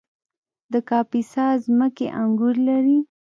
د کاپیسا ځمکې انګور لري